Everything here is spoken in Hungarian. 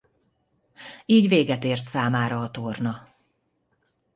Így véget ért számára a torna.